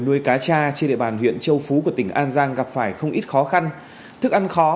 nuôi cá cha trên địa bàn huyện châu phú của tỉnh an giang gặp phải không ít khó khăn thức ăn khó